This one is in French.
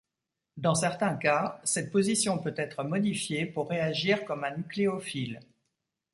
Dans certains cas, cette position peut être modifiée pour réagir comme un nucléophile.